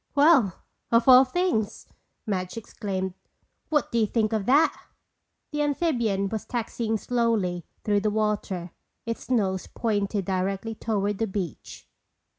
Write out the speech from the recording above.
"Well, of all things!" Madge exclaimed. "What do you think of that!" The amphibian was taxiing slowly through the water, its nose pointed directly toward the beach.